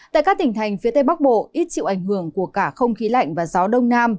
tại các tỉnh thành phía tây bắc bộ ít chịu ảnh hưởng của cả không khí lạnh và gió đông nam